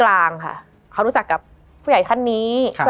มันทำให้ชีวิตผู้มันไปไม่รอด